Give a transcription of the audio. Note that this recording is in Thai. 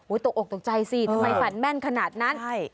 ตกออกตกใจสิทำไมฝันแม่นขนาดนั้นใช่